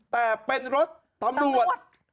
แต่เป็นรถตำรวจ